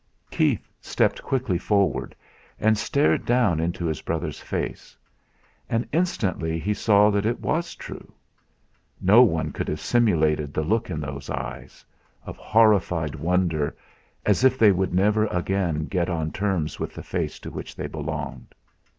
Keith stepped quickly forward, and stared down into his brother's face; and instantly he saw that it was true. No one could have simulated the look in those eyes of horrified wonder, as if they would never again get on terms with the face to which they belonged.